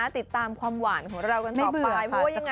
ติดตามความหวานของเรากันต่อไปเพราะว่ายังไงไม่เบื่อค่ะ